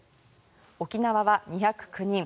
沖縄は２０９人。